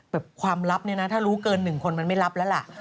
แบบความลับเนี่ยนะถ้ารู้เกิน๑คนมันไม่รับแล้วล่ะ